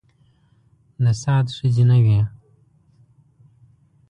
د سعد ښځې نه وې.